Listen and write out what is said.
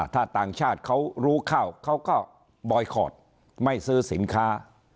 ถ้าต่างชาติเขารู้เข้าเขาก็บอยคอร์ดไม่ซื้อสินค้า